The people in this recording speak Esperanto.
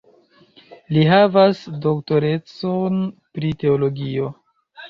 Li havas doktorecon pri teologio.